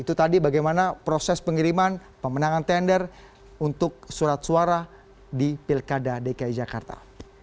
itu tadi bagaimana proses pengiriman pemenangan tender untuk surat suara di pilkada dki jakarta